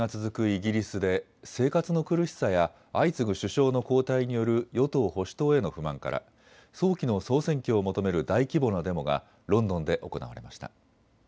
イギリスで生活の苦しさや相次ぐ首相の交代による与党・保守党への不満から早期の総選挙を求める大規模なデモがロンドンで行われました。